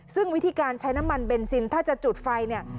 ซึ่งวิธีการใช้น้ำมันเบนซินถ้าจะจุดไฟเนี่ย